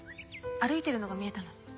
歩いているのが見えたので。